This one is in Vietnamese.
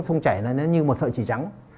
sông chảy nó như một sợi chỉ trắng